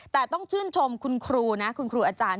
แต่ต้องชื่นชมคุณครูนะคุณครูอาจารย์